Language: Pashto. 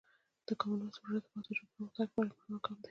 د کامن وایس پروژه د پښتو ژبې پرمختګ لپاره یوه مهمه ګام دی.